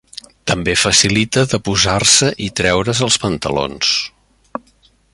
També facilita de posar-se i treure's els pantalons.